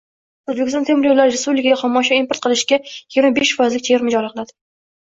O‘zbekiston temir yo‘llari respublikaga xomashyo import qilishdayigirma beshfoizlik chegirma joriy qiladi